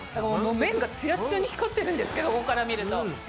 麺がツヤッツヤに光ってるんですけどここから見ると。